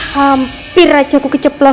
hampir aja aku keceplau